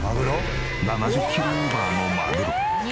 ７０キロオーバーのマグロ。